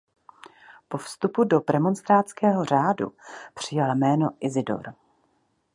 Po vstupu do premonstrátského řádu přijal jméno "Isidor".